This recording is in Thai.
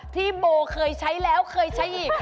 ที่โบเคยใช้แล้วเคยใช้อีก